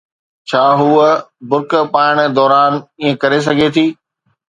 ڇا هوءَ برقع پائڻ دوران ائين ڪري سگهي ٿي؟